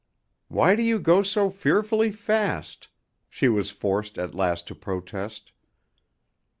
"Why do you go so fearfully fast?" she was forced at last to protest.